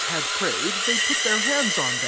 009 had ptayed) they put theit hands on them.